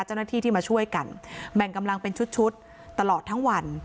เจ้าหน้าที่ที่มาช่วยกันแบ่งกำลังเป็นชุดตลอดทั้งวัน